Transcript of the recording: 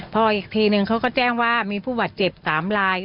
พออีกทีนึงเขาก็แจ้งว่ามีผู้บาดเจ็บ๓ลาย